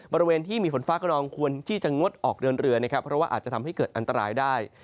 บริเวณที่มีฝนฟ้ากระนองควรที่จะงดออกเดินเรือนะครับเพราะว่าอาจจะทำให้เกิดอันตรายได้